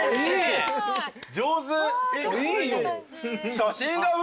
上手。